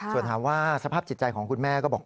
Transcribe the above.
ส่วนถามว่าสภาพจิตใจของคุณแม่ก็บอก